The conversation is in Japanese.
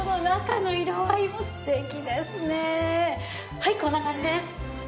はいこんな感じです。